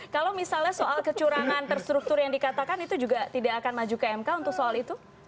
kalau misalnya soal kecurangan terstruktur yang dikatakan itu juga tidak akan maju ke mk untuk soal itu